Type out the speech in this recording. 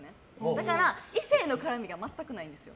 だから異性の絡みが全くないんです。